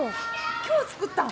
今日作ったん！？